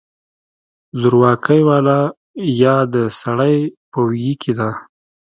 زورکۍ واله يا د سړۍ په ویي کې ده